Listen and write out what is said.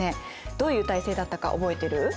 どういう体制だったか覚えてる？